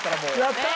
やった！